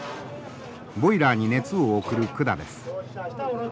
ボイラーに熱を送る管です。